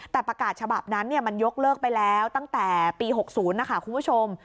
แต่ประกาศฉบับนั้นมันยกเลิกไปแล้วตั้งแต่ปี๖๐นะคะคุณผู้ชม